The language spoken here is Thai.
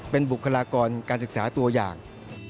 เป็นบุคลากรการศึกษาตัวอย่าง